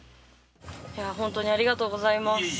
ホントにありがとうございます。